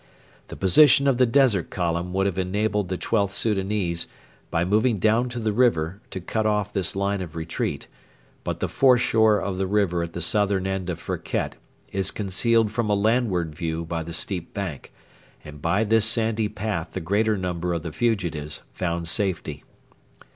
The position of the Desert Column would have enabled the XIIth Soudanese, by moving down to the river, to cut off this line of retreat; but the foreshore of the river at the southern end of Firket is concealed from a landward view by the steep bank, and by this sandy path the greater number of the fugitives found safety.